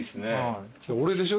俺でしょ？